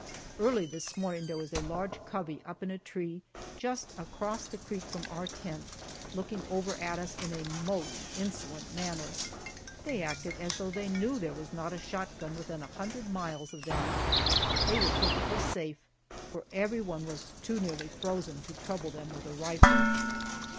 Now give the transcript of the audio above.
Early this morning there was a large covey up in a tree just across the creek from our tent, looking over at us in a most insolent manner. They acted as though they knew there was not a shotgun within a hundred miles of them. They were perfectly safe, for everyone was too nearly frozen to trouble them with a rifle.